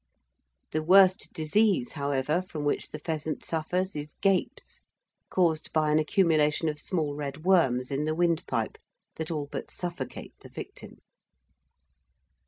The worst disease, however, from which the pheasant suffers is "gapes," caused by an accumulation of small red worms in the windpipe that all but suffocate the victim.